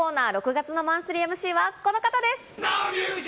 ６月のマンスリーＭＣはこの方です！